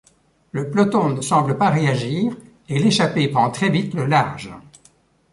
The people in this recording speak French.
Le peloton ne semble pas réagir et l’échappée prend très vite le large.